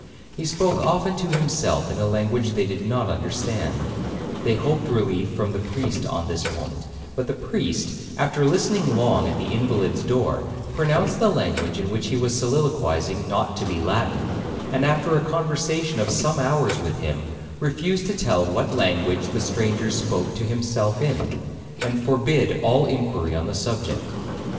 He spoke often to himself in a language they did not understand; they hoped relief from the priest on this point, but the priest, after listening long at the invalid's door, pronounced the language in which he was soliloquizing not to be Latin, and, after a conversation of some hours with him, refused to tell what language the stranger spoke to himself in, and forbid all inquiry on the subject.